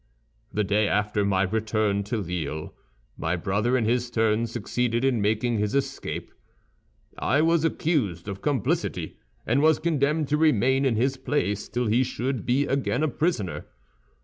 "The day after my return to Lille, my brother in his turn succeeded in making his escape; I was accused of complicity, and was condemned to remain in his place till he should be again a prisoner.